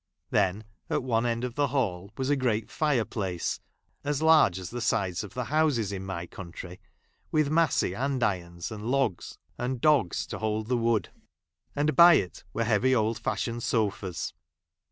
Then, at one end of the hall, was a great tire phice, as large as the sides of the houses in my country, with massy andirons and dogs to hold the wood ; and by it Were LcaAy old fashioned sofas.